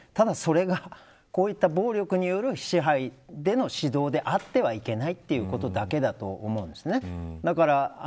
ただそれが、こういった暴力による支配での指導であってはいけないということだけだと思うんですね。